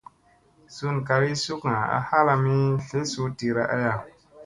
Sun kalii sukga a halami tlesu tira aya.